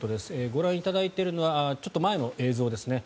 ご覧いただいているのはちょっと前の映像ですね。